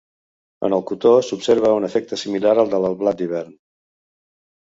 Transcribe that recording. En el cotó s'observa un efecte similar al del blat d'hivern.